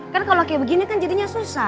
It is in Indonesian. kan kalau kayak begini kan jadinya susah